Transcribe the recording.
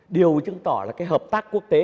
điều chứng tỏ là cái hợp tác quốc tế